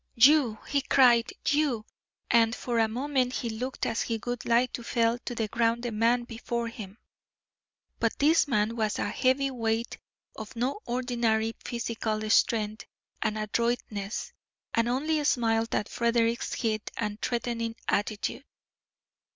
"You!" he cried, "you!" And for a moment he looked as if he would like to fell to the ground the man before him. But this man was a heavyweight of no ordinary physical strength and adroitness, and only smiled at Frederick's heat and threatening attitude.